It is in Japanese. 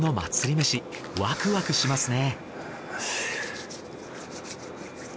めしワクワクしますね。